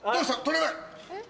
取れない！